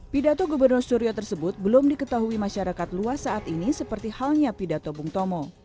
pidato gubernur suryo tersebut belum diketahui masyarakat luas saat ini seperti halnya pidato bung tomo